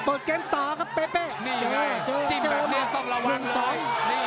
เปิดเกมต่อครับเปเป้นี่ยังไงจิ้มแบบนี้ต้องระวังซ้าย